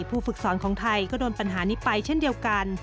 ผู้ฝึกสอนของไทยก็โดนปัญหานี้ไปเช่นเดียวกัน